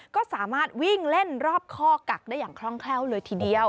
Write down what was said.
ก็สามารถวิ่งเล่นรอบข้อกักได้อย่างคล่องแคล่วเลยทีเดียว